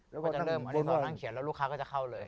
พ่อก็จะเริ่มเอาที่สองนั่งเขียนแล้วลูกค้าก็จะเข้าเลย